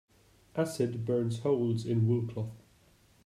Acid burns holes in wool cloth.